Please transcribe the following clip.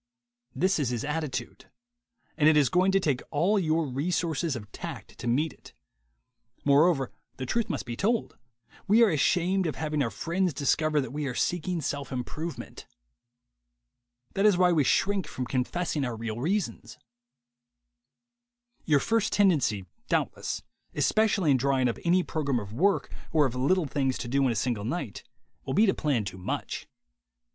This is his attitude; and it is going to take all your resources of tact to meet it. Moreover, the truth must be told: we are ashamed of having our friends discover that we are seeking self im provement. That is why we shrink from confessing our real reasons. Your first tendency, doubtless, especially in drawing up any program of work or of little things to do in a single night, will be to plan too much.